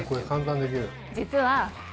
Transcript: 実は。